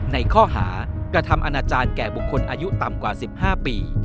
ในข้อหากระทำอนาจารย์แก่บุคคลอายุต่ำกว่า๑๕ปี